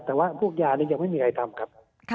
แต่ว่าพวกยาเนี่ยยังไม่มีใครทำครับ